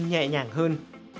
nhẹ nhàng hơn